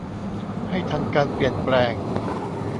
ให้ทันการเปลี่ยนแปลง